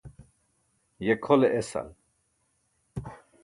Ye khole esal!